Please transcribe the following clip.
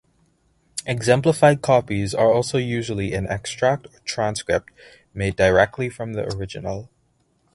Exemplified copies are also usually an extract or transcript made directly from the original.